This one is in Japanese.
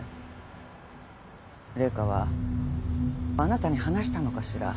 麗華はあなたに話したのかしら？